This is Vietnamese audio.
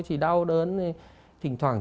chỉ đau đớn thì thỉnh thoảng